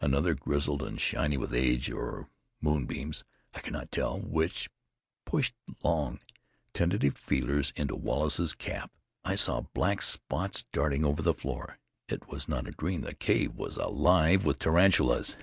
Another, grizzled and shiny with age or moonbeams I could not tell which pushed long, tentative feelers into Wallace's cap. I saw black spots darting over the roof. It was not a dream; the cave was alive with tarantulas!